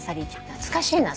懐かしいな。